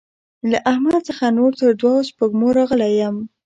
له احمد څخه نور تر دوو سپږمو راغلی يم.